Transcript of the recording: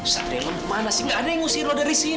satria kamu kemana sih gak ada yang ngusir lo dari sini